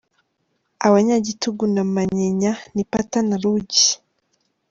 Abanyagitugu na manyinya ni pata na rugi